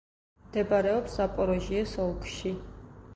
მდებარეობს ზაპოროჟიეს ოლქში.